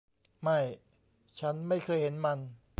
ไม่ ฉันไม่เคยเห็นมัน